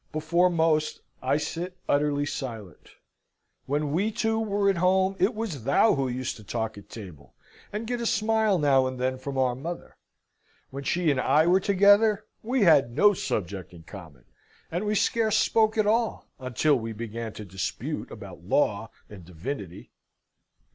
Before most, I sit utterly silent. When we two were at home, it was thou who used to talk at table, and get a smile now and then from our mother. When she and I were together we had no subject in common, and we scarce spoke at all until we began to dispute about law and divinity.